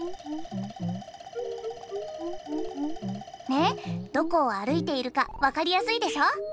ねっどこをあるいているかわかりやすいでしょ？